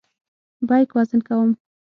بیک وزن کوم.